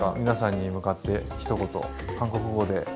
皆さんに向かってひと言韓国語で。